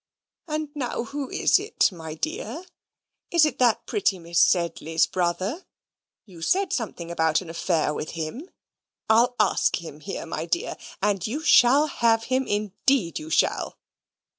"And now who is it, my dear? Is it that pretty Miss Sedley's brother? You said something about an affair with him. I'll ask him here, my dear. And you shall have him: indeed you shall."